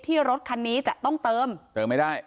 รถคันนี้จะต้องเติมเติมไม่ได้